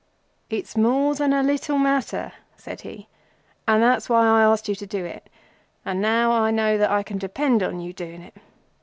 "It's more than a little matter," said he, "and that's why I ask you to do it—and now I know that I can depend on you doing it.